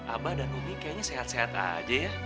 aba dan ummi kayaknya sehat sehat aja ya